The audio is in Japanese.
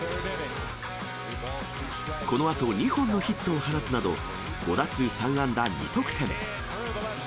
このあと２本のヒットを放つなど、５打数３安打２得点。